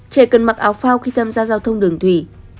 trẻ cần mặc áo phao khi tham gia giao thông đường thủy